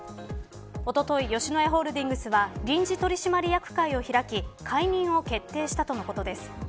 おととい吉野家ホールディングスは臨時取締役会を開き解任を決定したとのことです。